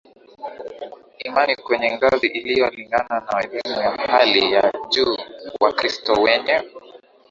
imani kwenye ngazi inayolingana na elimu ya hali ya juu Wakristo wenye